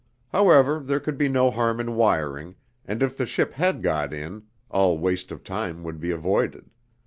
However, there could be no harm in wiring, and if the ship had got in all waste of time would be avoided.